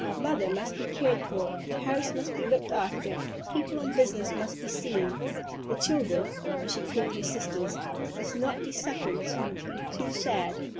Mother must be cared for, the house must be looked after, people on business must be seen, the "children," as she called her sisters, must not be suffered to be too sad.